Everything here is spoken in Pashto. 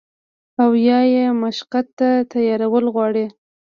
او يا ئې مشقت ته تيارول غواړي